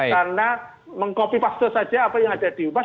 karena mengcopy paste saja apa yang ada di ubas